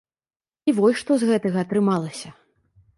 І вось што з гэтага атрымалася.